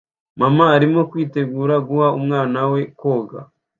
Mama arimo kwitegura guha umwana we koga